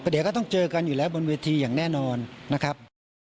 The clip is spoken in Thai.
เดี๋ยวก็ต้องเจอกันอยู่แล้วบนเวทีอย่างแน่นอนนะครับ